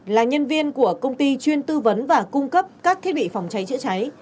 là nhân viên của công ty chuyên tư vấn và cung cấp các thiết bị phòng cháy chữa cháy